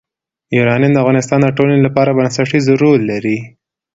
یورانیم د افغانستان د ټولنې لپاره بنسټيز رول لري.